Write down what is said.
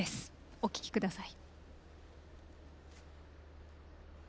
お聞きください。